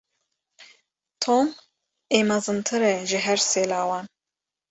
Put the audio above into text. Tom ê mezintir e ji her sê lawan.